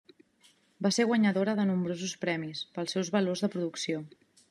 Va ser guanyadora de nombrosos premis, pels seus valors de producció.